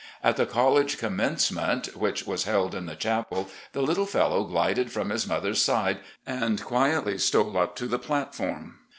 At the college commence ment, which was held in the chapel, the little fellow glided from his mother's side and quietly stole up to the platform.